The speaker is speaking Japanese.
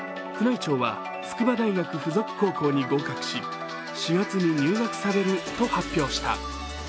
宮内庁は筑波大学附属高校に合格し、４月に入学されると発表した。